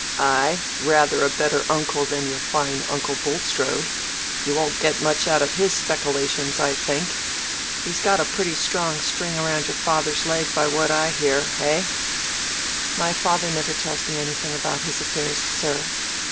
"Ay, rather a better uncle than your fine uncle Bulstrode. You won't get much out of his spekilations, I think. He's got a pretty strong string round your father's leg, by what I hear, eh?" "My father never tells me anything about his affairs, sir."